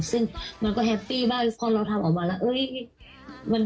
ซึ่งมันก็แฮปปี้บ้างพอเราทำออกมาแล้ว